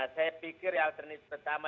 saya pikir alternatif pertama